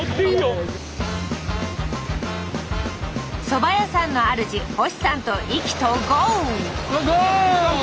そば屋さんのあるじ星さんと意気投合！